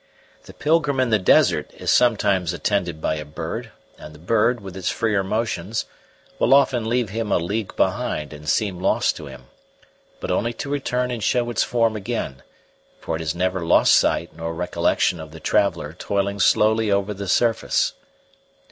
The pilgrim in the desert is sometimes attended by a bird, and the bird, with its freer motions, will often leave him a league behind and seem lost to him, but only to return and show its form again; for it has never lost sight nor recollection of the traveller toiling slowly over the surface.